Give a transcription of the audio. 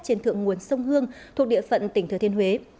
trên thượng nguồn sông hương thuộc địa phận tỉnh thừa thiên huế